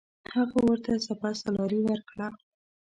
هغه ورته سپه سالاري ورکړه.